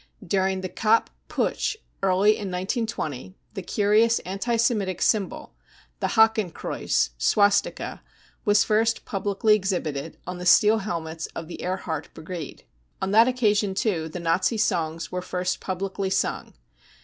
During the Kapp Putsch early in 1920 the curious anti Semitic symbol, the Hakenkreuz (swastika), was first publicly ex hibited, on the steel helmets of the Ehrhardt brigade. On that occasion, too, the Nazi songs were first publicly sung.